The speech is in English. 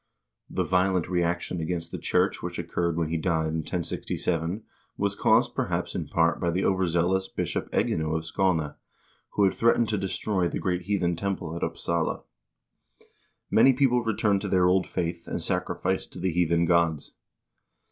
The violent reaction against the church which occurred when he died in 10G7, was caused, perhaps, in part by the overzeal ous Bishop Egino of Skane, who had threatened to destroy the great heathen temple at Upsala. Many people returned to their old faith, and sacrificed to the heathen gods.